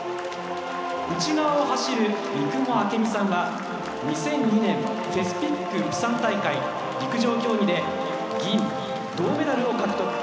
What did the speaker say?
内側を走る三雲明美さんは２００２年フェスピック釜山大会陸上競技で銀、銅メダルを獲得